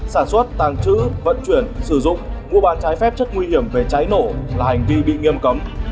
sản xuất tàng trữ vận chuyển sử dụng mua bán trái phép chất nguy hiểm về cháy nổ là hành vi bị nghiêm cấm